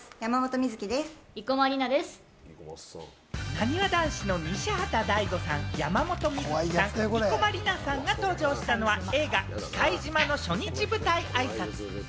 なにわ男子の西畑大吾さん、山本美月さん、生駒里奈さんが登場したのは、映画『忌怪島／きかいじま』の初日舞台挨拶。